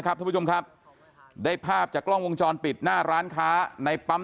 ท่านผู้ชมครับได้ภาพจากกล้องวงจรปิดหน้าร้านค้าในปั๊ม